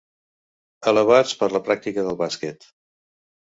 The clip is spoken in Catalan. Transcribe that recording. Elevats per la pràctica del bàsquet.